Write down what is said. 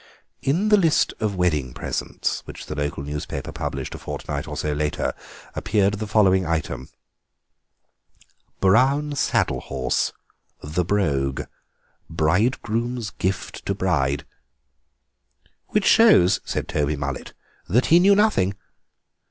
In the list of wedding presents which the local newspaper published a fortnight or so later appeared the following item: "Brown saddle horse, 'The Brogue,' bridegroom's gift to bride." "Which shows," said Toby Mullet, "that he knew nothing."